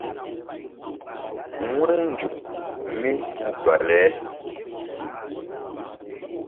Wu̧ynzuk mí hu bale.